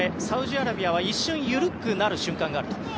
サウジアラビアは一瞬緩くなる瞬間があると。